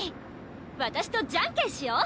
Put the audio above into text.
わたしとじゃんけんしよう！